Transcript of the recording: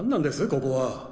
ここは！？